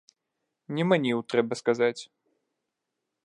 Не маніў, трэба сказаць.